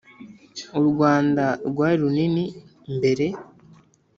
u rwanda rwari runini mbere